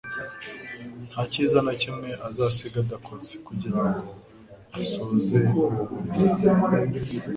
nta cyiza na kimwe azasiga adakoze, kugira ngo asoze uwo murimo.